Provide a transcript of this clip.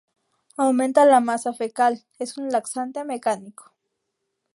Aumenta la masa fecal, es un laxante mecánico.